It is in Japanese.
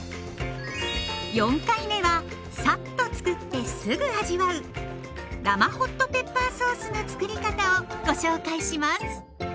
４回目はさっとつくってすぐ味わう生ホットペッパーソースのつくり方をご紹介します。